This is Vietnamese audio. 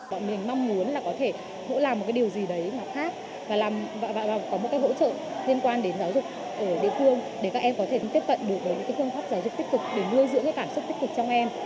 bọn mình mong muốn là có thể hỗ làm một cái điều gì đấy mà khác và làm bạn có một cái hỗ trợ liên quan đến giáo dục ở địa phương để các em có thể tiếp cận được với những phương pháp giáo dục tích cực để nuôi dưỡng cái cảm xúc tích cực trong em